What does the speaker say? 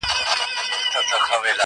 توبې راڅخه تښته چي موسم دی د ګلونو!